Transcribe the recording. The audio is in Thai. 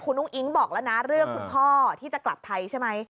คุณอุ้งอิ๊งบอกแล้วนะเรื่องคุณพ่อที่จะกลับไทยใช่ไหม